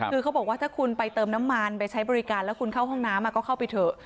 คือเขาบอกว่าถ้าคุณไปเติมน้ำมันไปใช้บริการแล้วคุณเข้าห้องน้ำก็เข้าไปเถอะ